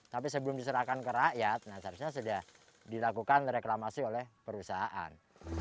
tapi sebelum diserahkan ke rakyat nah seharusnya sudah dilakukan reklamasi oleh perusahaan